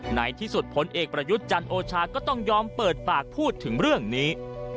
ในที่สุดผลเอกประยุทธ์จันโอชาก็ต้องยอมเปิดปากพูดถึงเรื่องนี้